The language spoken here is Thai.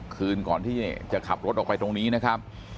คืนก่อนที่จะขับรถออกไปตรงนี้นะครับ